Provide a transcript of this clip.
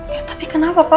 ya tapi kenapa pak